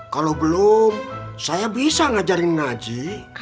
kalau belum saya bisa ngajarin naji